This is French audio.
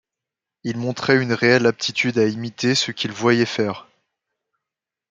Il montrait une réelle aptitude à imiter ce qu’il voyait faire.